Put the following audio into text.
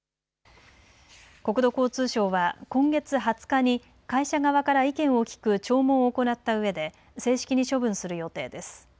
国土交通省は今月２０日に会社側から意見を聞く聴聞を行ったうえで正式に処分する予定です。